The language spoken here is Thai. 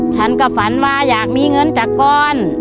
ฉันก็ฝันว่าอยากมีเงินจากกร